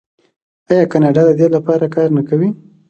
آیا کاناډا د دې لپاره کار نه کوي؟